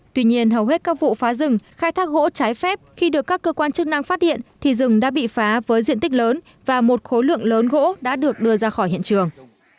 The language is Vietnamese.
tuy nhiên hầu hết các vụ phá rừng khai thác gỗ trái phép khi được các cơ quan chức năng phát hiện thì rừng đã bị phá với diện tích lớn và một khối lượng lớn gỗ đã được đưa ra khỏi hiện trường